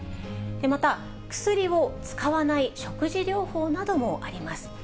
また、薬を使わない食事療法などもあります。